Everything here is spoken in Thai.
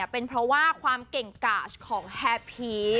เป็นเพราะว่าความเก่งกาดของแฮพีช